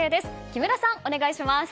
木村さん、お願いします。